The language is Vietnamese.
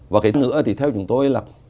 và cái thứ nữa thì theo chúng tôi là